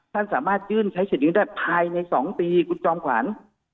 ท่านสามารถยื่นใช้เฉียงได้ภายใน๒ปีคุณจอมขวัญ